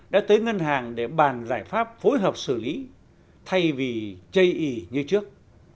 đã tới ngân hàng để bàn giải pháp phối hợp xử lý thay vì chây ý như trước